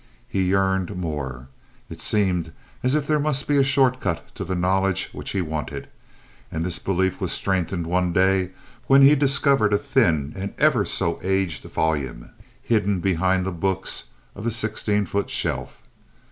He yearned more. It seemed as if there must be a short cut to the knowledge which he wanted, and this belief was strengthened one day when he discovered a thin and ever so aged volume hidden behind the books of the sixteen foot shelf.